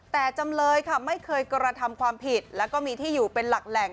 แต่จำเลยค่ะไม่เคยกระทำความผิดแล้วก็มีที่อยู่เป็นหลักแหล่ง